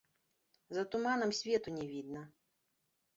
За туманам свету не відна!